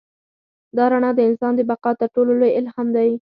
دا رڼا د انسان د بقا تر ټولو لوی الهام دی.